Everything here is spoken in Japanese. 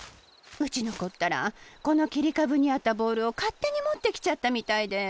うちのこったらこのきりかぶにあったボールをかってにもってきちゃったみたいで。